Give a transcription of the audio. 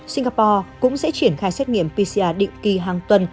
singapore cũng sẽ triển khai xét nghiệm pcr định kỳ hàng tuần